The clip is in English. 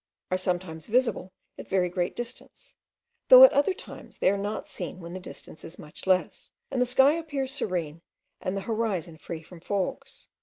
are sometimes visible at a very great distance, though at other times they are not seen when the distance is much less, and the sky appears serene and the horizon free from fogs.